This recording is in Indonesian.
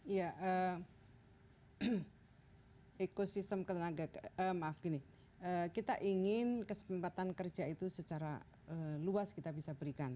ya eekosistem ketenaga maaf gini kita ingin kesempatan kerja itu secara luas kita bisa berikan